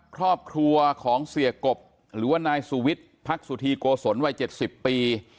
ครอบครัวของเสียกบหรือว่านายสุวิทย์พักสุธีโกศลวัย๗๐ปี